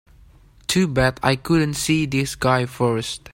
Too bad I couldn't see this guy first.